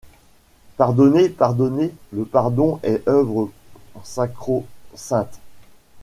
Pardonnez, pardonnez ! le pardon est œuvre sacrosaincte.